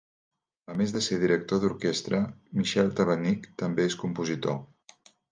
A més de ser director d'orquestra, Michel Tabachnik també és compositor.